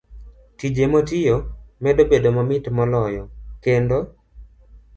Tije motiyo medo bedo mamit moloyo, kendo